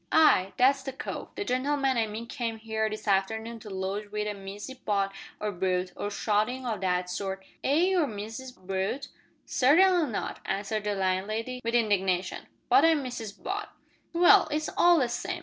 "Ay, that's the cove the gen'leman I mean came here this arternoon to lodge wi' a Missis Butt or Brute, or suthin' o' that sort air you Mrs Brute?" "Certainly not," answered the landlady, with indignation; "but I'm Mrs Butt." "Well, it's all the same.